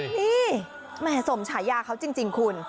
นี่แหมสมฉายาเขาจริงคุณ